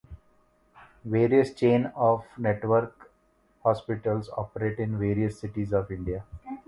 Various chain or network hospitals operate in various cities of India.